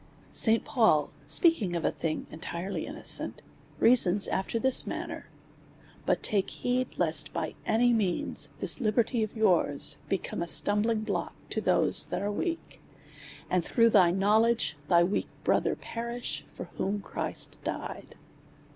St. Paul, speaking of a thing, entirely innocent, rea sons after this manner : But take heed, test by anif means this liberti/ of yours become a stumbling block to those that are weak. — And through thy knoidedge thy weak brother perish, for ichom Christ died.